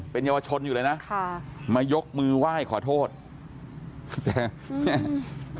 เป็นเยาวชนอยู่เลยนะค่ะมายกมือไหว้ขอโทษแต่แม่